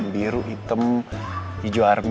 biru hitam hijau armi